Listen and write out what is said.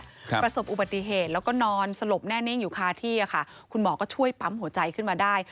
ประสบอุบัติเหตุแล้วก็นอนสลบแน่นิ่งอยู่คาที่อ่ะค่ะคุณหมอก็ช่วยปั๊มหัวใจขึ้นมาได้